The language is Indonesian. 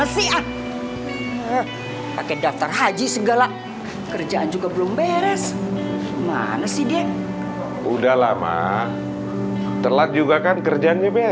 sampai jumpa di video selanjutnya